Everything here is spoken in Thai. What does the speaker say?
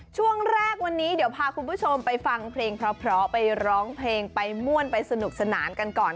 ช่วงแรกวันนี้เดี๋ยวพาคุณผู้ชมไปฟังเพลงเพราะไปร้องเพลงไปม่วนไปสนุกสนานกันก่อน